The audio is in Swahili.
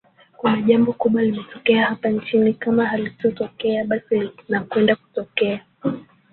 Kuna jambo kubwa limetokea hapa nchini kama halijatokea basi linakwenda kutokea